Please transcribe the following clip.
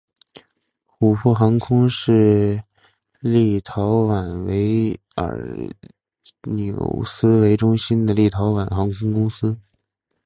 琥珀航空是在立陶宛维尔纽斯为中心的立陶宛航空公司。